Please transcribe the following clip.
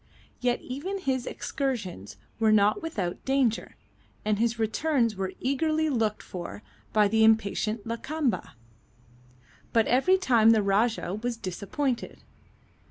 Yet even his excursions were not without danger, and his returns were eagerly looked for by the impatient Lakamba. But every time the Rajah was disappointed.